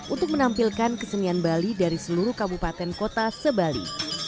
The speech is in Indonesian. untuk menampilkan kesenian bali dari seluruh kabupaten kota se bali